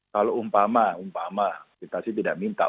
kalau umpama umpama kita sih tidak minta